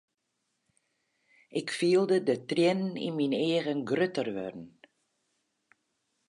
Ik fielde de triennen yn myn eagen grutter wurden.